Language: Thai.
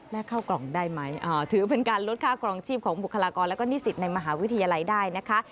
และเข้ากล่องได้ไหมถือเป็นการลดค่ากรองชีพของบุคลากรและก็นิสิตในมหาวิทยาลัยได้นะคะ